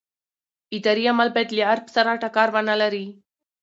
اداري عمل باید له عرف سره ټکر ونه لري.